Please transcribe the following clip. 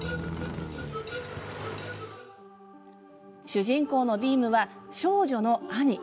主人公のビームは少女の兄。